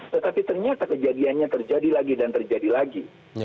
tetapi ternyata kejadiannya terjadi lagi dan terjadi lagi